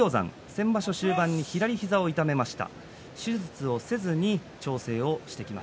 先場所終盤に左膝を痛めました。